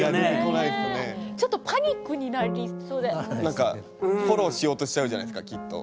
何かフォローしようとしちゃうじゃないですかきっと。